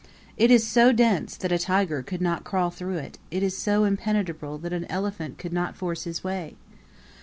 It is so dense that a tiger could not crawl through it; it is so impenetrable that an elephant could not force his way!